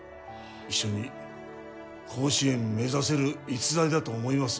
一緒に甲子園目指せる逸材だと思います